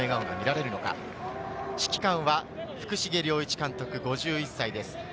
指揮官は福重良一監督、５１歳です。